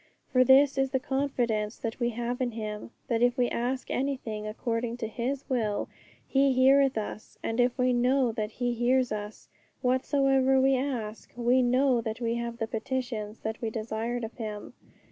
For this is the confidence that we have in Him, that if we ask anything according to His will, He heareth us; and if we know that He hears us, whatsoever we ask, we know that we have the petitions that we desired of Him.